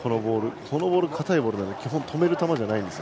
このボール、硬いボールなので基本、止める球じゃないんです。